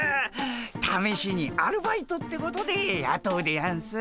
ためしにアルバイトってことでやとうでやんす。